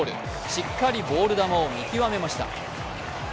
しっかりボール球を見極めました。